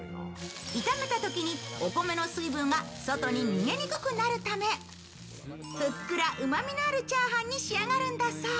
炒めたときにお米の水分が外に逃げにくくなるためふっくらうまみのあるチャーハンに仕上がるんだそう。